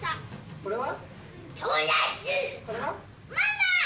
これは？